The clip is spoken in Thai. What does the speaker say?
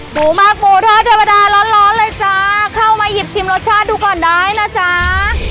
หมูมากหมูทอดธรรมดาร้อนร้อนเลยจ้าเข้ามาหยิบชิมรสชาติดูก่อนได้นะจ๊ะ